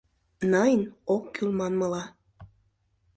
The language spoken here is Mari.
Найн — ок кӱл манмыла.